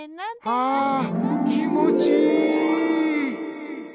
はぁきもちいい。